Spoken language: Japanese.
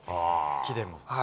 木でも？